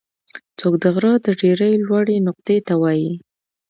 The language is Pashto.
څوکه د غره د ډېرې لوړې نقطې ته وایي.